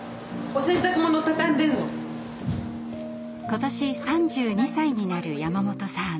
今年３２歳になる山本さん。